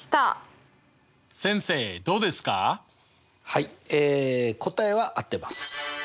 はい答えは合ってます。